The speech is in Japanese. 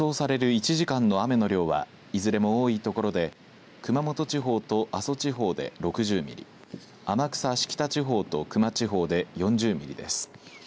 １時間の雨の量はいずれも多いところで熊本地方と阿蘇地方で６０ミリ天草・芦北地方と球磨地方で４０ミリです。